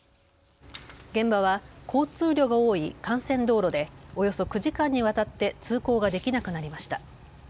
現場は交通量が多い幹線道路でおよそ９時間にわたって通行ができなくなりました。